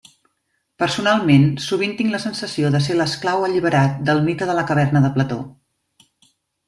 Personalment, sovint tinc la sensació de ser l'esclau alliberat del mite de la caverna de Plató.